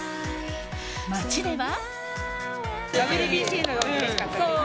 街では。